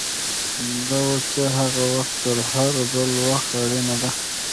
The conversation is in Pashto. دا وړتیا هغه وخت تر هر بل وخت اړینه ده.